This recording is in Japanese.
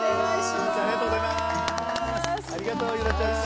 ハハハありがとうございます。